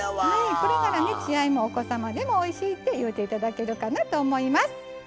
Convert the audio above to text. これなら血合いもお子様でもおいしいって言うていただけると思います。